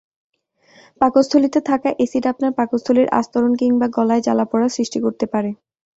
পাকস্থলীতে থাকা এসিড আপনার পাকস্থলীর আস্তরণ কিংবা গলায় জ্বালাপোড়া সৃষ্টি করতে পারে।